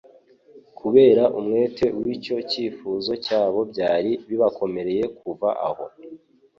Kubera umwete w'icyo cyifuzo cyabo byari bibakomereye kuva aho,